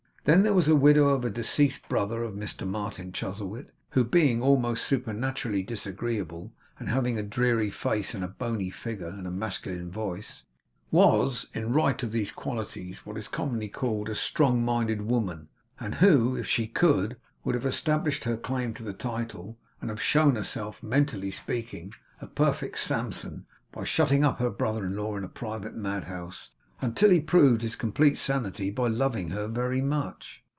Then there was the widow of a deceased brother of Mr Martin Chuzzlewit, who being almost supernaturally disagreeable, and having a dreary face and a bony figure and a masculine voice, was, in right of these qualities, what is commonly called a strong minded woman; and who, if she could, would have established her claim to the title, and have shown herself, mentally speaking, a perfect Samson, by shutting up her brother in law in a private madhouse, until he proved his complete sanity by loving her very much.